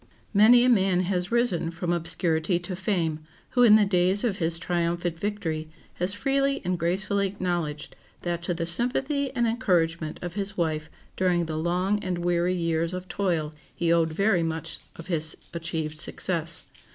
Many a man has risen from obscurity to fame who in the days of his triumphant victory has freely and gracefully acknowledged that to the sympathy and encouragement of his wife during the long and weary years of toil he owed very much of his achieved success.